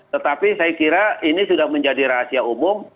tetapi saya kira ini sudah menjadi rahasia umum